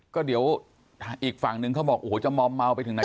ก็เดี๋ยวอีกฝั่งนึงเขาบอกโอ้โหจะมอมเมาไปถึงไหน